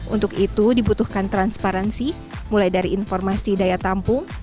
untuk itu dibutuhkan transparansi mulai dari informasi daya tampung